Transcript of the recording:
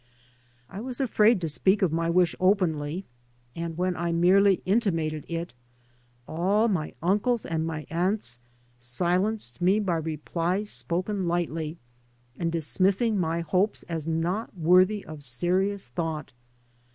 I was afraid to speak of my wish openly, and when I merely intimated it all my uncles and my aunts silenced me by replies spoken lightly, and dismissing my hopes as not worthy of serious thought.